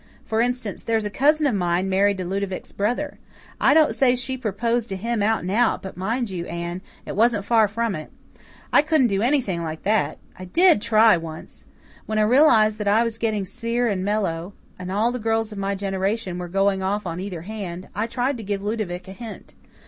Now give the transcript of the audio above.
For instance, there's a cousin of mine married to Ludovic's brother. I don't say she proposed to him out and out, but, mind you, Anne, it wasn't far from it. I couldn't do anything like that. I DID try once. When I realized that I was getting sere and mellow, and all the girls of my generation were going off on either hand, I tried to give Ludovic a hint.